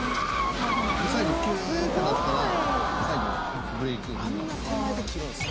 最後キューッとなったら最後ブレーキを踏みます